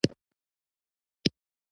یوه ورځ وو پیر بازار ته راوتلی